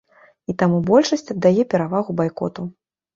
І таму большасць аддае перавагу байкоту.